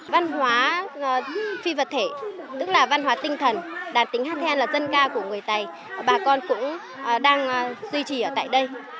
văn hóa phi vật thể tức là văn hóa tinh thần đàn tính hát hèn là dân ca của người tày bà con cũng đang duy trì ở tại đây